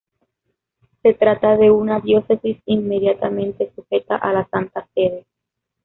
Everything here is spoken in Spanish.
Se trata de una diócesis inmediatamente sujeta a la Santa Sede